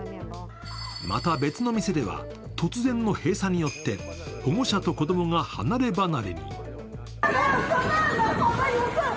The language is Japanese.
また別の店では突然の閉鎖によって保護者と子供が離ればなれに。